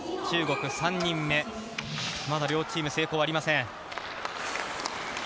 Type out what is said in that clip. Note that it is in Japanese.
中国３人目、まだ両チーム成功がありません。